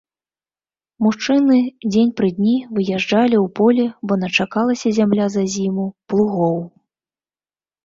Мужчыны дзень пры дні выязджалі ў поле, бо начакалася зямля за зіму плугоў.